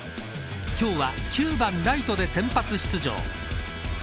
今日は９番ライトで先発出場。